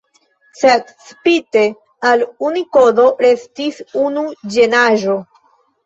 Sed spite al Unikodo restis unu ĝenaĵo.